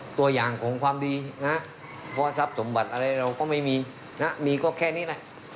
ตัวอย่างของความดีนะเพราะทรัพย์สมบัติอะไรเราก็ไม่มีนะมีก็แค่นี้แหละ